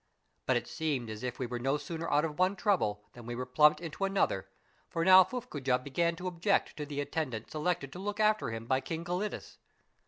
But it seemed as if we were no sooner out of one trouble than we were plumped into another, for now Fuffcoojah began to object to the attendant selected to look after him by King Gelidus.